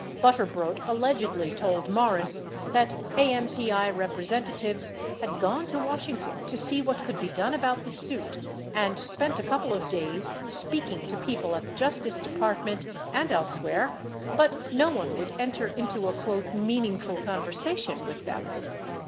Butter brodt allegedly told Morris that AMPI representatives 53 had gone to Washington to see what could be done about the suit, and spent a couple of days speaking to people at the Justice Department and else where, but no one would enter into a "meaningful conversation" with them.